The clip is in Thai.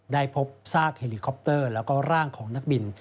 ได้พบซากเฮลิคอปเตอร์แล้วก็ร่างของนักบิน